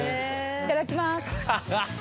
いただきます